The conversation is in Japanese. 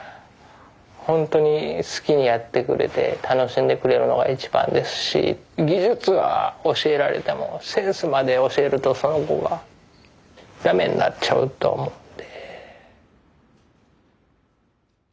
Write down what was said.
ほんとに好きにやってくれて楽しんでくれるのが一番ですし技術は教えられてもセンスまで教えるとその子が駄目になっちゃうと思って。